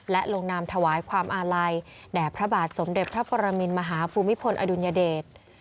และลงนามถวายความอาลัยแด่พระบาทสมเด็จพระปรมินมหาภูมิพลอดุลยเดช